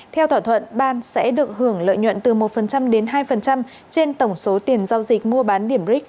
theo thỏa thuận ban sẽ được hưởng lợi nhuận từ một đến hai trên tổng số tiền giao dịch mua bán điểm bric